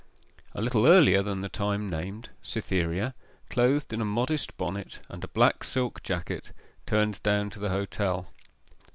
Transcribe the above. A little earlier than the time named, Cytherea, clothed in a modest bonnet, and a black silk jacket, turned down to the hotel.